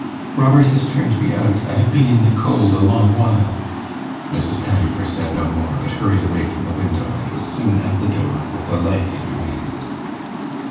'Robert has turned me out. I have been in the cold a long while.' Mrs. Pettifer said no more, but hurried away from the window, and was soon at the door with a light in her hand.